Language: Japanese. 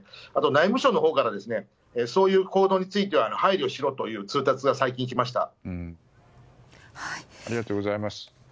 あとは内務省のほうからそういう行動については配慮しろという通達がありがとうございます。